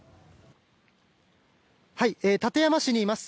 館山市にいます。